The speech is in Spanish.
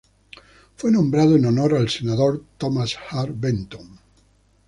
Fue nombrado en honor al senador Thomas Hart Benton.